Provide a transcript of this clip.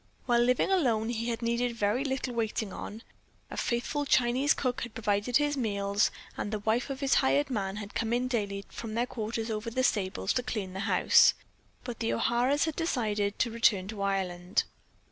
While living alone he had needed very little waiting on, a faithful Chinese cook had provided his meals, and the wife of his hired man had come in daily from their quarters over the stables to clean the house, but the O'Haras had decided to return to Ireland.